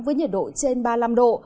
với nhiệt độ trên ba mươi năm độ